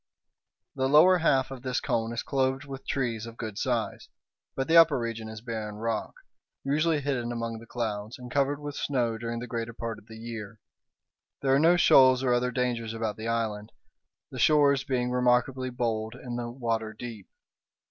The lower half of this cone is clothed with trees of good size, but the upper region is barren rock, usually hidden among the clouds, and covered with snow during the greater part of the year. There are no shoals or other dangers about the island, the shores being remarkably bold and the water deep.